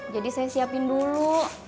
jadi saya siapin dulu